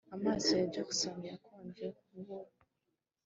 Amaso ya Jackson yakonje nkubura